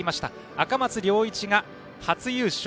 赤松諒一が初優勝。